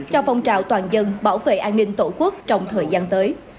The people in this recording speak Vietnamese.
cho phong trào toàn dân bảo vệ an ninh tổ quốc trong thời gian tới